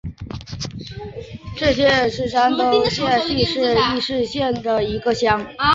联城乡是中国山东省临沂市蒙阴县下辖的一个乡。